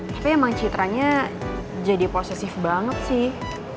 tapi emang citra nya jadi posesif banget sih